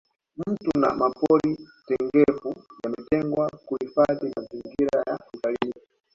misitu na mapori tengefu yametengwa kuhifadhi mazingira ya utalii